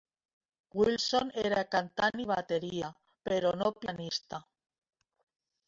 Wilson era cantant i bateria, però no pianista.